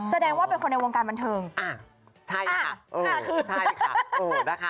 แสดงว่าเป็นคนในวงการบันเทิงอ่าใช่ค่ะเออใช่ค่ะนะคะ